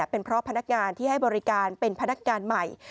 เป็นเพราะพนักงานที่ให้บริการเป็นพนักงานใหม่